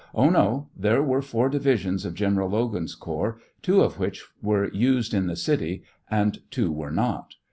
Oh, no ; there were four divisions of General Logan's corps; two of which were used in the city, and two were not.